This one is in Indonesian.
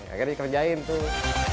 akhirnya dikerjain tuh